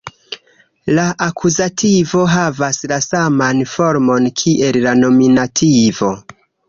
La akuzativo havas la saman formon kiel la nominativo.